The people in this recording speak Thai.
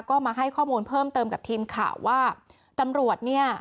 ก็มาให้ข้อมูลเพิ่มเติมกับทีมข่าวว่าตำรวจเนี่ย